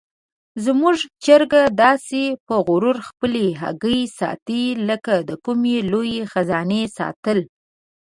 زموږ چرګه داسې په غرور خپلې هګۍ ساتي لکه د کومې لویې خزانې ساتل.